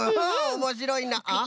おもしろいな。